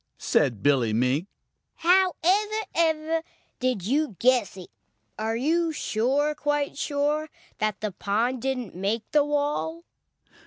said Billy Mink. "How ever, ever, did you guess it? Are you sure, quite sure that the pond didn't make the wall?"